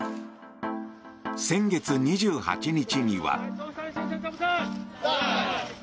先月２８日には。